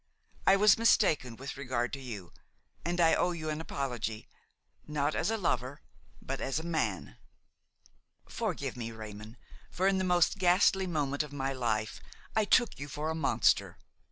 I was mistaken with regard to you, and I owe you an apology, not as a lover but as a man. "Forgive me, Raymon, for in the most ghastly moment of my life I took you for a monster.